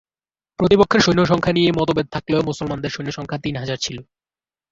প্রতিপক্ষের সৈন্যসংখ্যা নিয়ে মতভেদ থাকলেও মুসলমানদের সৈন্য সংখ্যা তিন হাজার ছিল।